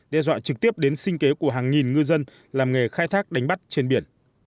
đe dọa trực tiếp đến sinh kế của hàng nghìn ngư dân làm nghề khai thác đánh bắt trên biển